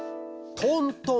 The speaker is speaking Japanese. トントン？